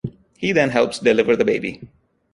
He then helps deliver the baby.